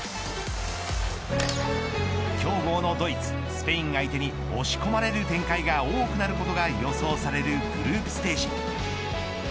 強豪のドイツ、スペイン相手に押し込まれる展開が多くなることが予想されるグループステージ。